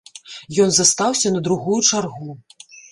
Ён застаўся на другую чаргу.